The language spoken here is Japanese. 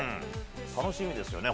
楽しみですね。